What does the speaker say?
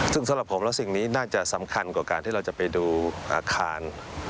ซึ่งสำหรับผมและสิ่งนี้น่าจะสำคัญกว่าการที่เราจะไปดูอาคาร